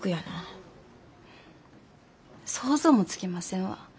想像もつきませんわ。